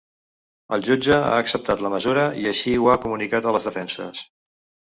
El jutge ha acceptat la mesura i així ho ha comunicat a les defenses.